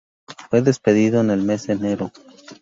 Fue despedido en el mes de enero.